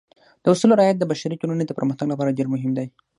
د اصولو رعایت د بشري ټولنې د پرمختګ لپاره ډېر مهم دی.